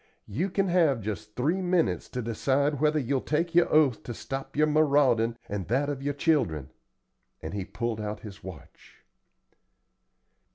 You kin have just three minutes to decide whether you'll take your oath to stop your maraudin' and that of your children;" and he pulled out his watch.